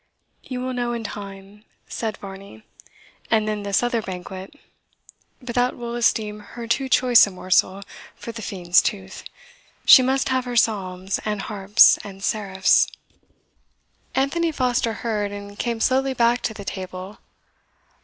"You will know in time," said Varney; "and then this other banquet but thou wilt esteem Her too choice a morsel for the fiend's tooth she must have her psalms, and harps, and seraphs." Anthony Foster heard, and came slowly back to the table.